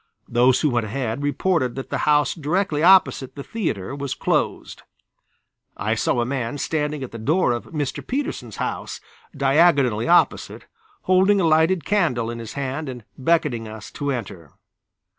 Those who went ahead reported that the house directly opposite the theatre was closed. I saw a man standing at the door of Mr. Petersen's house, diagonally opposite, holding a lighted candle in his hand and beckoning us to enter.